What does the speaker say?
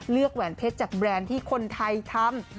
แหวนเพชรจากแบรนด์ที่คนไทยทำ